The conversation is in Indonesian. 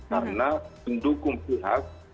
karena pendukung pihak